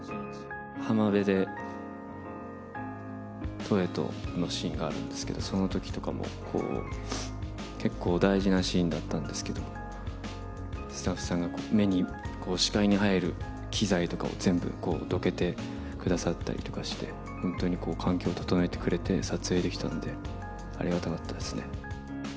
浜辺でのシーンがあるんですけど、そのときとかもこう、結構大事なシーンだったんですけど、スタッフさんが目に、視界に入る機材とかを全部どけてくださったりとかして、本当に環境を整えてくれて撮影できたので、ありがたかったですね。